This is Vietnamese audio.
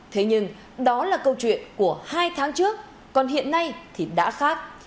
thế nhưng đó là câu chuyện của hai tháng trước còn hiện nay thì đã khác